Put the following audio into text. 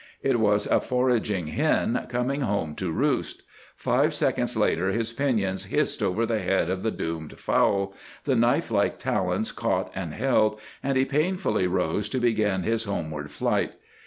It was a foraging hen coming home to roost. Five seconds later his pinions hissed over the head of the doomed fowl, the knife like talons caught and held, and he painfully arose to begin his homeward flight.